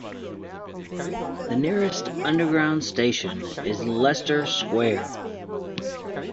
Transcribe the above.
The nearest Underground station is Leicester Square.